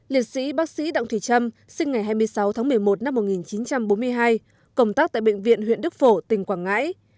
liệt sĩ bác sĩ đặng thùy trâm sinh ngày hai mươi sáu tháng một mươi một năm một nghìn chín trăm bốn mươi hai công tác tại bệnh viện huyện đức phổ tỉnh quảng ngãi